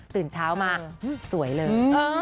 ตื่นเช้ามาสวยเลย